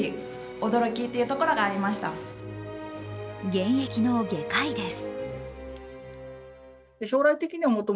現役の外科医です。